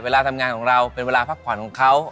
เวลาทำงานของเราเป็นเวลาพักผ่อนของเขา